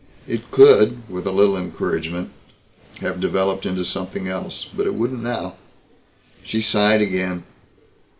It could, with a little encouragement, have developed into something else. But it wouldn't now. She sighed again.